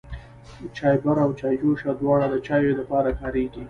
چايبر او چايجوشه دواړه د چايو د پاره کاريږي.